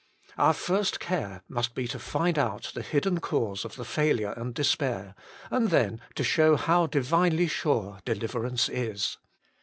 Our first care must be to find out the hidden cause of the failure and despair, and then to show how divinely sure deliverance is.